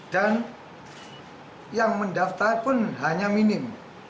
dan yang mendaftar pun hanya minim